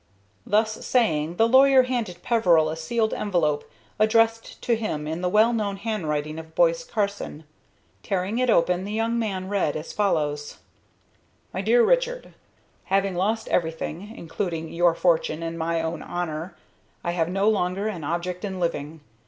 Thus saying, the lawyer handed Peveril a sealed envelope addressed to him in the well known handwriting of Boise Carson. Tearing it open, the young man read as follows: "MY DEAR RICHARD: "Having lost everything, including your fortune and my own honor, I have no longer an object in living.